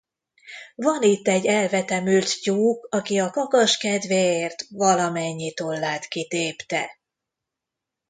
Van itt egy elvetemült tyúk, aki a kakas kedvéért valamennyi tollát kitépte!